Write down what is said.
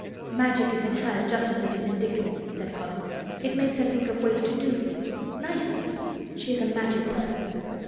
"Magic is in her just as it is in Dickon," said Colin. "It makes her think of ways to do things—nice things. She is a Magic person.